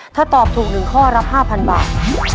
ถ้าตอบถูก๑ข้อรับ๕๐๐บาท